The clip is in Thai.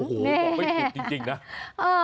โอ้โหไม่ถูกจริงนะ